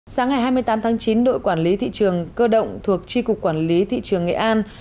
sáng ngày hai mươi tám tháng chín đội quản lý thị trường cơ động thuộc tri cục quản lý thị trường nghệ an